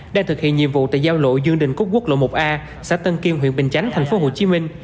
đang thực hiện nhiệm vụ tại giao lộ dương đình cúc quốc lộ một a xã tân kiên huyện bình chánh thành phố hồ chí minh